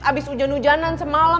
abis hujan hujanan semalam